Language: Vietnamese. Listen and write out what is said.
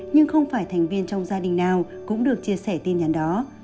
nhưng không phải thành viên trong gia đình nào cũng được chia sẻ tin nhắn đó